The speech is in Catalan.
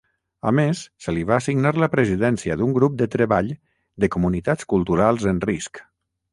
A més, se li va assignar la presidència d'un grup de treball de comunitats culturals en risc.